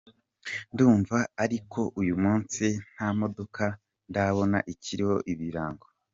Ndumva ariko uyu munsi ntamodoka ndabona ikiriho ibirango.